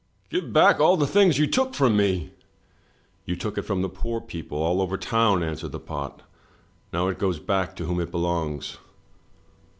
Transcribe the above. Give back all the things you took from me!" "You took it from the poor people all over town," answered the pot. "Now it goes back to whom it belongs.